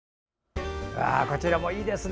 こちらもいいですね。